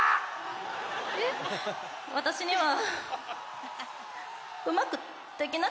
私には。